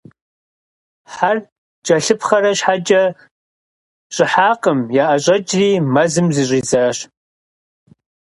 Хьэр кӀэлъыпхъэра щхьэкӀэ, щӀыхьакъым - яӀэщӀэкӀри, мэзым зыщӀидзащ.